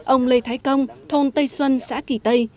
ông lê thái công thôn tây xuân xã kỳ tây